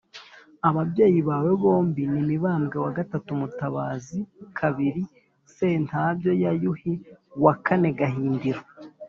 ababyazi bawe bombi: ni mibambwe iii mutabazi ii sentabyo ya yuhi wa kane gahindiro